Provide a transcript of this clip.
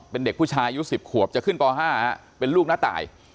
เป็นเด็กผู้ชายอายุ๑๐ขวบจะขึ้นป๕เป็นลูกน้าตาย